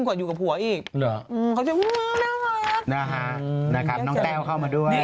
อะคือน้องแก้วเข้ามาด้วย